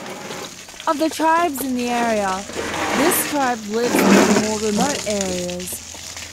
Of the tribes in the area, this tribe lives in the more remote areas.